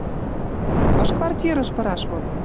Кыш квартирыш пыраш вот?